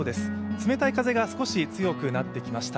冷たい風が少し強くなってきました。